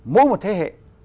mỗi một thế hệ